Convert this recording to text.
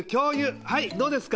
はいどうですか？